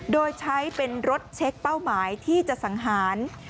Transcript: โดยใช้เป็นรถเช็คเป้าหมายที่จะสังหาร